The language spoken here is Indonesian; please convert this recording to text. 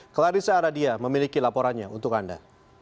clarissa aradia memiliki laporannya untuk anda